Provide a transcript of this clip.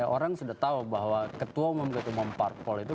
orang sudah tahu bahwa ketua umum ketua umum parpolis